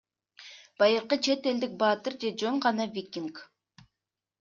Байыркы чет элдик баатыр же жөн гана викинг.